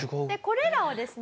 これらをですね